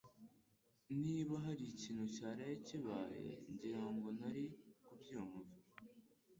Niba hari ikintu cyaraye kibaye, ngira ngo nari kubyumva